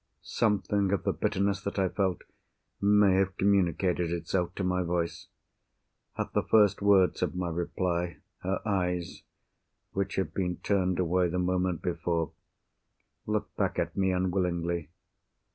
Something of the bitterness that I felt may have communicated itself to my voice. At the first words of my reply, her eyes, which had been turned away the moment before, looked back at me unwillingly.